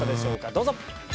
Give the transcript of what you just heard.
どうぞ。